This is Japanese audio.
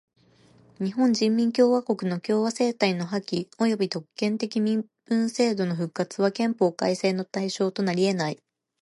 日本人民共和国の共和政体の破棄および特権的身分制度の復活は憲法改正の対象となりえない。